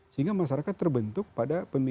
sehingga masyarakat terbentuk pada